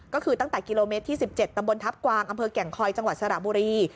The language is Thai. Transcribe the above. ก็คือตั้งแต่กิโลเมตรที่๑๗ตำบลทัพกวางอำเภอแก่งคอยจังหวัดสระบุรี